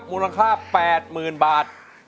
มูลค่า๘๐๐๐บาท